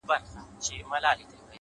ستا د خــولې خـبري يــې زده كړيدي ـ